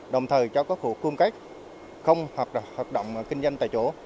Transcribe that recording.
đồng thời cho các khu công tác không hoạt động kinh doanh tại chỗ